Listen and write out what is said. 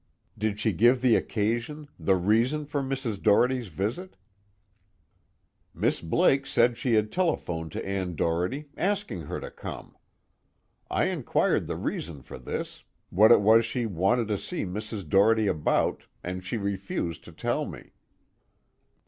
"Did she give the occasion, the reason for Mrs. Doherty's visit?" "Miss Blake said she had telephoned to Ann Doherty, asking her to come. I inquired the reason for this, what it was she wanted to see Mrs. Doherty about, and she refused to tell me."